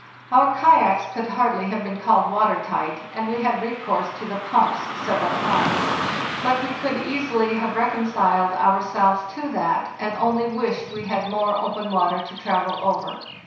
Our kayaks could hardly have been called water tight, and we had recourse to the pumps several times; but we could easily have reconciled ourselves to that, and only wished we had more open water to travel over.